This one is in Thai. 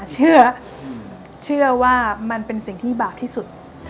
เชื่อว่ามันเป็นสิ่งที่บาปที่สุด